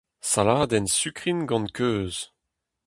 Saladenn sukrin gant keuz.